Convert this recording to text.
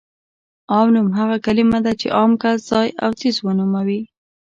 عام نوم هغه کلمه ده چې عام کس، ځای او څیز ونوموي.